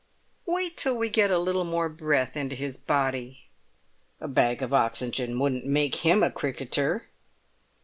"Wait till we get a little more breath into his body." "A bag of oxygen wouldn't make him a cricketer."